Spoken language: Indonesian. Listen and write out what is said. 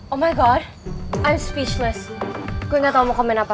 oh my god i'm speechless gue gak tau mau komen apa